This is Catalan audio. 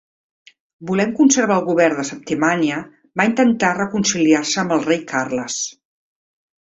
Volent conservar el govern de Septimània va intentar reconciliar-se amb el rei Carles.